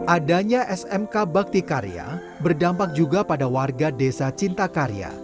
adanya smk bakti karya berdampak juga pada warga desa cintakarya